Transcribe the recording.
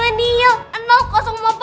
mungkin aja dengan cara yang tadi tuh